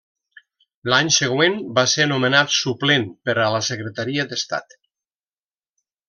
L'any següent va ser nomenat Suplent per a la Secretaria d'Estat.